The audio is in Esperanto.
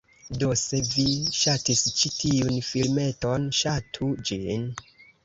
Do, se vi ŝatis ĉi tiun filmeton, ŝatu ĝin